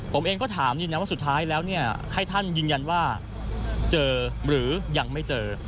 ผมเองก็ถามยืนยันว่าสุดท้ายแล้วให้ท่านยืนยันว่าเจอหรือยังไม่เจอ